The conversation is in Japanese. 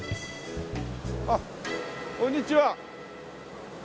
あっこんにちは。